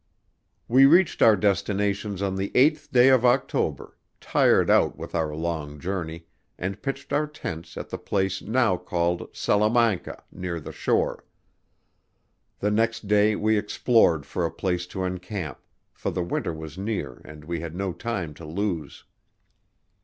We reached our destination on the 8th day of October, tired out with our long journey, and pitched our tents at the place now called Salamanca, near the shore. The next day we explored for a place to encamp, for the winter was near and we had no time to lose.